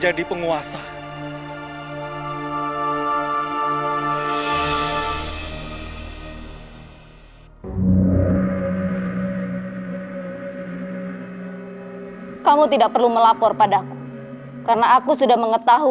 apakah kamu dianggap pada nama itu